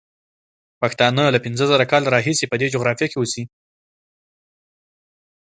پښتانه له پینځه زره کاله راهیسې په دې جغرافیه کې اوسي.